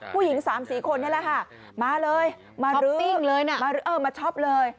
ผู้หญิงสามสี่คนเนี่ยแหละค่ะมาเลยมาชอบเลย